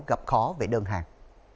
gặp khó về đơn hàng